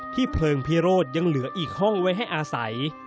เพลิงพิโรธยังเหลืออีกห้องไว้ให้อาศัย